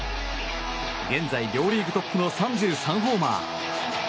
現在、両リーグトップの３３ホーマー。